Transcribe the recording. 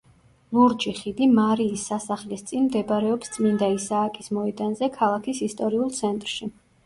ლურჯი ხიდი მარიის სასახლის წინ მდებარეობს წმინდა ისააკის მოედანზე ქალაქის ისტორიულ ცენტრში.